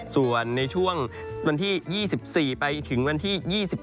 ส่วนในช่วงวันที่๒๔ไปถึงวันที่๒๔